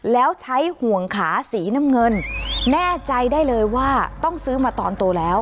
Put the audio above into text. แล้วใช้ห่วงขาสีน้ำเงินแน่ใจได้เลยว่าต้องซื้อมาตอนโตแล้ว